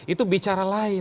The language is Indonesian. itu bicara lain